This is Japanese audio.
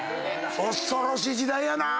恐ろしい時代やなぁ！